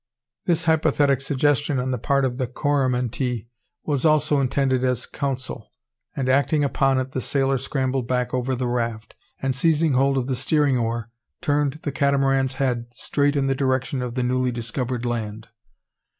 This hypothetic suggestion on the part of the Coromantee was also intended as a counsel; and, acting upon it, the sailor scrambled back over the raft, and seizing hold of the steering oar, turned the Catamaran's head straight in the direction of the newly discovered land.